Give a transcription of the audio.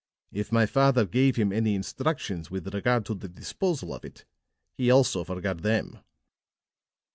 If my father gave him any instructions with regard to the disposal of it, he also forgot them."